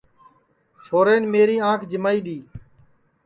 چھورین میری آنکھ جیمائی دؔی